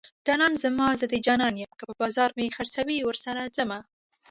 جانان زما زه د جانان يم که په بازار مې خرڅوي ورسره ځمه